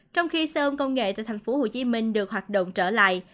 trong khi xe ôm công nghệ tại thành phố hồ chí minh được hoạt động trở lại